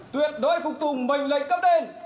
tuyệt đối phục tùng mệnh lệnh cấp đen